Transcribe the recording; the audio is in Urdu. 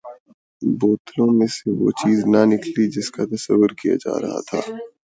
بوتلوں میں سے وہ چیز نہ نکلی جس کا تصور کیا جا رہا تھا۔